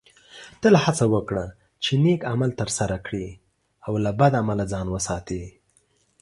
تل هڅه وکړه چې نیک عمل ترسره کړې او له بد عمله ځان وساتې